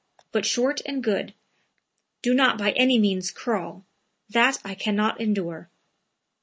But short and good. Do not by any means crawl! That I can not endure."